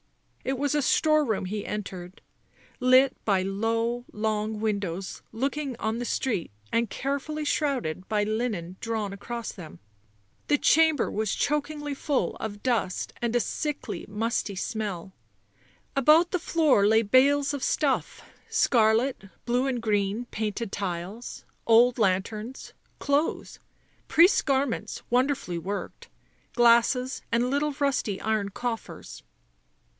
It was a store room he entered — lit by low long windows look ing on the street and carefully shrouded by linen drawn across them ; the chamber was chokingly full of dust and a sickly musty smell. About the floor lay bales of stuff, scarlet, blue and green, painted tiles, old lanterns, clothes, priests' garments, wonderfully worked, glasses and little rusty iron coffers.